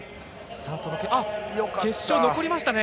決勝残りましたね。